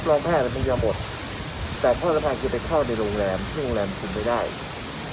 ต้องที่นาอย่างเรียกสีถ้วนนะครับครั้งนี้ก็จะเกิดความปลอดภัยกับพวกเรานะ